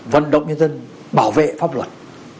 vận động nhân dân bảo vệ pháp luật